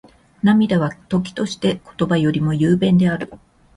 涙は、時として言葉よりも雄弁である。